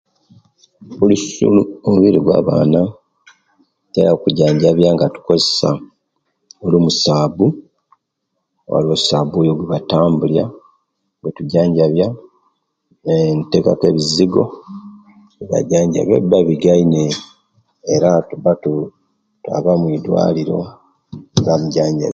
Lususu lwo'mubiri gwa'baana tutera kujanjabya nga tukozesa olumo saabu waliwo osaabuni ogwebatambulya netujanjabya aah netutekamu ebizigo nebajanjabya owebiba bigaine era tuba twaba mudwaliro nebamujanjabya